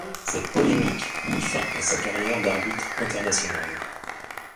Cette polémique mit fin à sa carrière d'arbitre international.